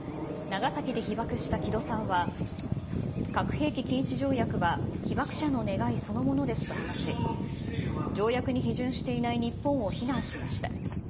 長崎で被爆した木戸さんは、核兵器禁止条約は、被爆者の願いそのものですと話し、条約に批准していない日本を非難しました。